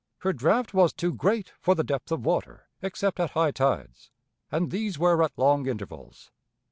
Her draught was too great for the depth of water, except at high tides, and these were at long intervals.